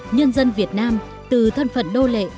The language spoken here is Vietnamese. nhân dân việt nam từ thân phận đô lệ